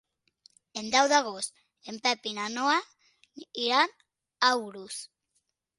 El deu d'agost en Pep i na Noa iran a Urús.